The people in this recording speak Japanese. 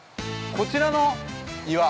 こちらの岩。